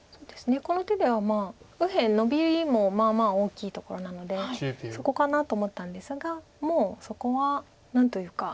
この手では右辺ノビもまあまあ大きいところなのでそこかなと思ったんですがもうそこは何というか。